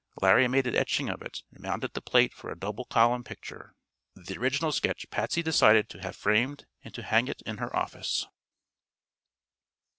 Larry made an etching of it and mounted the plate for a double column picture. The original sketch Patsy decided to have framed and to hang it in her office.